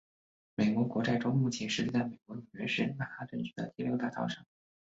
美国国债钟目前设置在美国纽约市曼哈顿区的第六大道上。